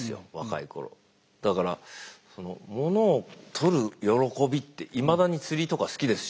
だからその物を取る喜びっていまだに釣りとか好きですしね。